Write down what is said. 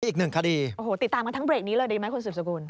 อีกหนึ่งคดีโอ้โหติดตามกันทั้งเบรกนี้เลยดีไหมคุณสืบสกุล